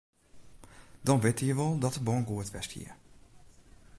Dan witte je wol dat de bân goed west hie.